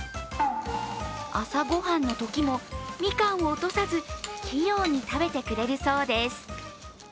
朝ご飯のときも、みかんを落とさず器用に食べてくれるそうです。